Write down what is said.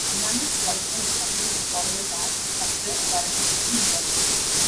Environment is outside the control of the follower-task structure, authority system, and work group.